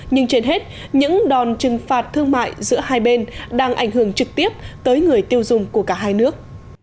nhưng trên hết những đòn trừng phạt thương mại giữa hai bên đang ảnh hưởng trực tiếp tới người tiêu dùng của cả hai nước